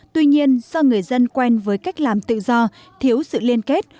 tuy nhiên do người dân quen với cách làm tự do thiếu sự liên kết